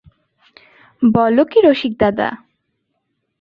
বল কী রসিকদাদা!